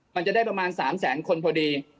มันจะได้ประมาณ๓แสนคนพอดี